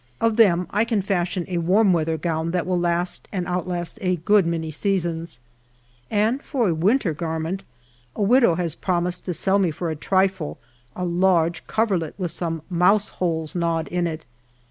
Of them 1 can fashion a warm weather gown that will last and outlast a good many seasons, and for a winter garment a widow has promised to sell me for a trifle a large coverlet with some mouse holes knawed in it.